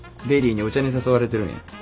ベリーにお茶に誘われてるんや。